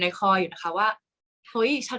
กากตัวทำอะไรบ้างอยู่ตรงนี้คนเดียว